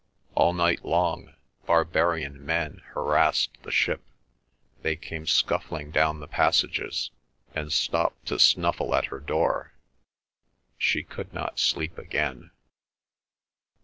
All night long barbarian men harassed the ship; they came scuffling down the passages, and stopped to snuffle at her door. She could not sleep again.